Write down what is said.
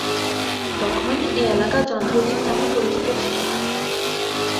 তখন এ এলাকা চন্দ্রদ্বীপ নামে পরিচিত ছিল।